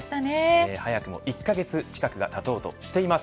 早くも１カ月近くがたとうとしています。